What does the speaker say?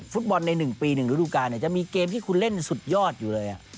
ฟุตบอลใน๑ปี๑ฤดูกาลจะมีเกมที่คุณเล่นสุดยอดอยู่เลย